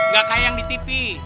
gak kayak yang di tv